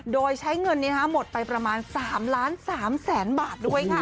โดยใช้เงินเนี่ยหมดไปประมาณ๓๓๐๐๐๐๐บาทด้วยค่ะ